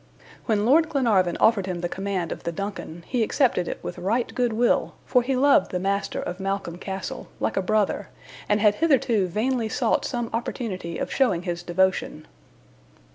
When Lord Glenarvan offered him the command of the DUNCAN, he accepted it with right good will, for he loved the master of Malcolm Castle, like a brother, and had hitherto vainly sought some opportunity of showing his devotion.